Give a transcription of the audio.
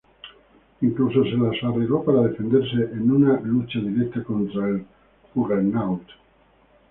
Incluso se las arregló para defenderse en una lucha directa contra el Juggernaut.